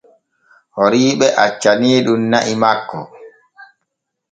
Horiiɓe accaniiɗun na'i makko.